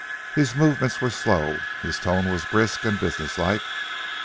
His movements were slow, his tone was brisk and businesslike.